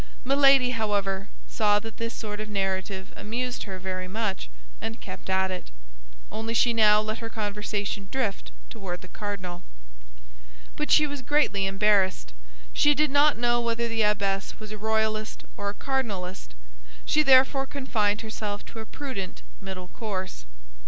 Milady, however, saw that this sort of narrative amused her very much, and kept at it; only she now let her conversation drift toward the cardinal. But she was greatly embarrassed. She did not know whether the abbess was a royalist or a cardinalist; she therefore confined herself to a prudent middle course.